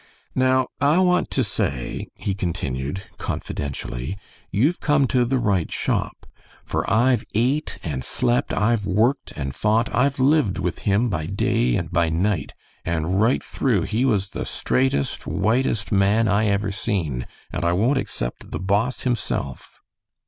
"Now, I want to say," he continued, confidentially, "you've come to the right shop, for I've ate and slept, I've worked and fought, I've lived with him by day and by night, and right through he was the straightest, whitest man I ever seen, and I won't except the boss himself."